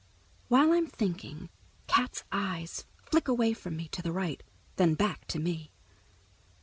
While I'm thinking, Cat's eyes flick away from me to the right, then back to me.